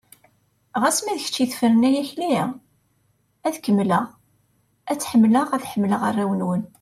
Ɣas ma d kečč i tefren ay Akli, ad kemmleɣ ad tt-ḥemmleɣ, ad ḥemmleɣ arraw-nwen.